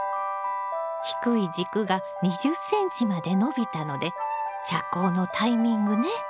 低い軸が２０ｃｍまで伸びたので遮光のタイミングね。